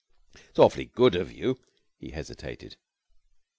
'It's awfully good of you ' He hesitated.